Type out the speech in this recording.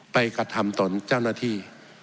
กระทำต่อเจ้าหน้าที่